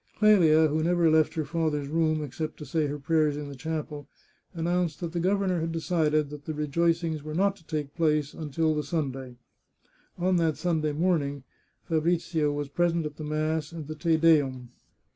Clelia, who never left her father's room except to say her prayers in the chapel, announced that the governor had de cided that the rejoicings were not to take place until the Sunday. On that Sunday morning, Fabrizio was present at the mass and the Te Deum.